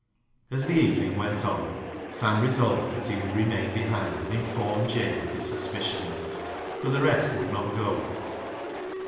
As the evening went on, Sam resolved that he would remain behind and inform Jabe of his suspicions. But the rest would not go.